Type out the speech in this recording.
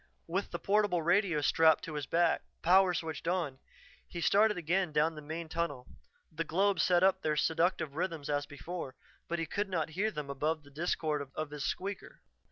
With the portable radio strapped to his back, power switched on, he started again down the main tunnel. The globes set up their seductive rhythms as before, but he could not hear them above the discord of his squeaker.